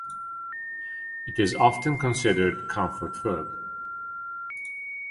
It is often considered comfort food.